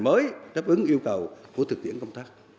mới đáp ứng yêu cầu của thực tiễn công tác